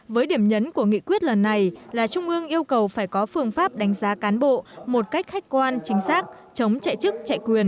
với điểm nhấn của nghị quyết lần này là trung ương yêu cầu phải có phương pháp đánh giá cán bộ một cách khách quan chính xác chống chạy chức chạy quyền